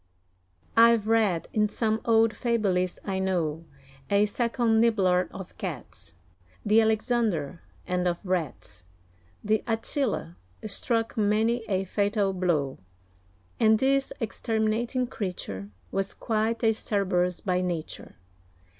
I've read in some old Fabulist, I know, A second Nibblelard, of Cats The Alexander, and of Rats The Attila, struck many a fatal blow; And this exterminating creature Was quite a Cerberus by nature.